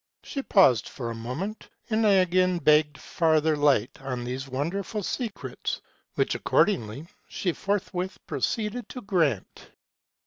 " She paused for a moment, and I again begged further light on these wonderful secrets ; which, accordingly, she forthwith proceeded to grant.